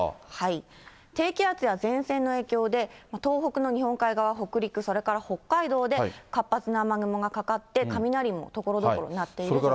低気圧や前線の影響で、東北の日本海側、北陸、それから北海道で活発な雨雲がかかって、雷もところどころ鳴っているような状況です。